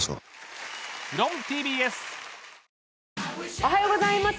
おはようございます。